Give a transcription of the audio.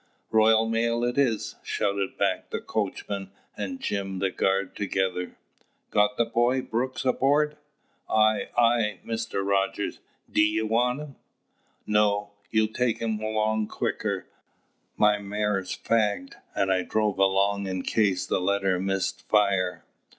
"Royal Mail it is!" shouted back the coachman and Jim the guard together. "Got the boy Brooks aboard?" "Ay, ay Mr. Rogers! D'ye want him?" "No; you'll take him along quicker. My mare's fagged, and I drove along in case the letter missed fire."